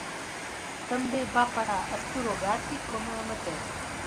També va parar Arturo Gatti com a amateur.